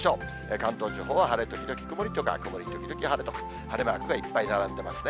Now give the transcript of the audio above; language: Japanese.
関東地方は晴れ時々曇りとか、曇り時々晴れとか、晴れマークがいっぱい並んでますね。